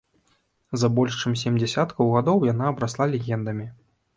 За больш чым сем дзесяткаў гадоў яна абрасла легендамі.